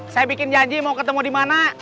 saya bikin janji mau ketemu dimana